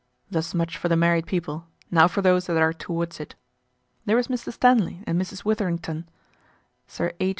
Thus much for the married people, now for those that are towards it. There is Mr. Stanley and Mrs. Witherington; Sir H.